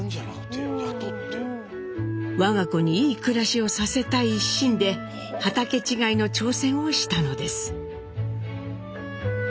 我が子にいい暮らしをさせたい一心で畑違いの挑戦をしたのです。